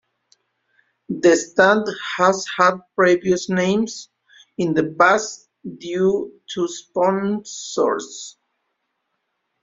The stand has had previous names in the past, due to sponsors.